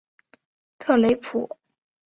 特雷普。